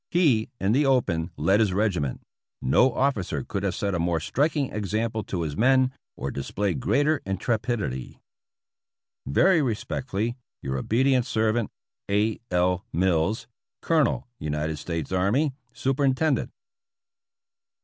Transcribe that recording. He, in the open, led his regiment ; no officer could have set a more striking example to his men or displayed greater intre pidity. Very respectfully, Your obedient servant, A. L. Mills, Colonel United States Army, Superintendent.